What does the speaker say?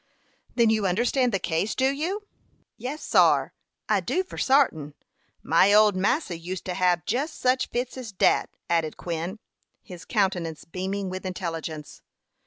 Then you understand the case do you?" "Yes, sar; I do, for sartin. My old massa used to hab jus such fits as dat," added Quin, his countenance beaming with intelligence.